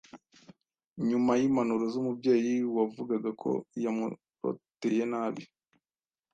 nyuma y’impanuro z’umubyeyi wavugaga ko yamuroteye nabi